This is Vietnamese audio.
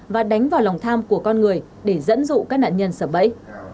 và đánh vào lòng tham của con người để dẫn dụ các nạn nhân sợ bẫy